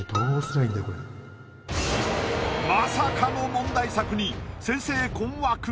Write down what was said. まさかの問題作に先生困惑。